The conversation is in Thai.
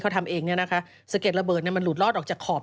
ซึ่งตอน๕โมง๔๕นะฮะทางหน่วยซิวได้มีการยุติการค้นหาที่